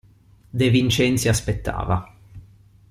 De Vincenzi aspettava.